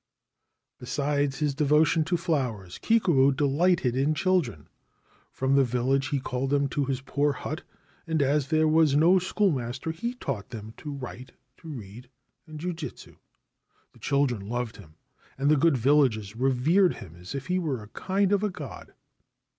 Besides his devotion to flowers, Kikuo delighted in children ; from the village he called them to his poor hut, and as there was no schoolmaster he taught them to write, to read, and jujitsu. The children loved him, and the good villagers revered him as if he were a kind of god.